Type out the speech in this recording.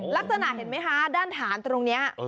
ลักษณะเห็นไหมคะด้านฐานตรงนี้